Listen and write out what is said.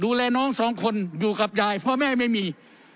ดูแลน้องสองคนอยู่กับยายพ่อแม่ไม่มี